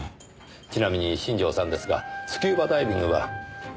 ちなみに新城さんですがスキューバダイビングはされてますか？